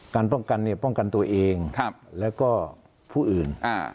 ป้องกันเนี่ยป้องกันตัวเองแล้วก็ผู้อื่น